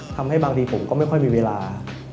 ทำให้บางทีผมก็ไม่ค่อยมีเวลา